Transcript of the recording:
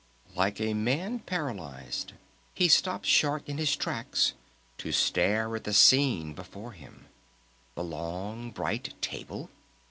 Like a man paralyzed he stopped short in his tracks to stare at the scene before him! The long, bright table!